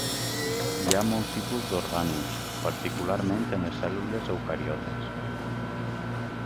Hi ha molt tipus d'orgànuls, particularment en les cèl·lules eucariotes.